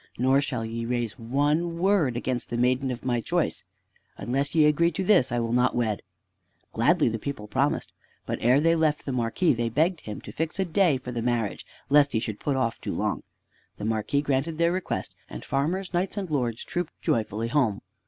Nor shall ye raise one word against the maiden of my choice. Unless ye agree to this, I will not wed!" Gladly the people promised. But ere they left the Marquis, they begged him to fix a day for the marriage lest he should put off too long. The Marquis granted their request, and farmers, knights, and lords trooped joyfully home.